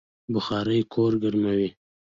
بخارۍ کور ګرموي